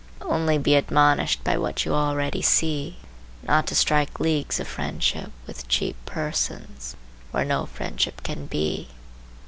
Only be admonished by what you already see, not to strike leagues of friendship with cheap persons, where no friendship can be.